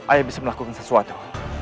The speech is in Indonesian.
ayah bisa melakukan sesuatu